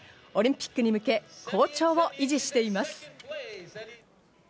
オリンピックに向け好調を維持しています。